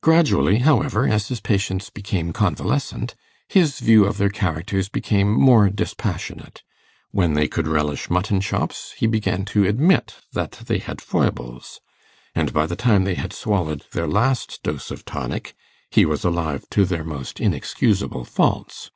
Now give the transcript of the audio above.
Gradually, however, as his patients became convalescent, his view of their characters became more dispassionate; when they could relish mutton chops, he began to admit that they had foibles, and by the time they had swallowed their last dose of tonic, he was alive to their most inexcusable faults.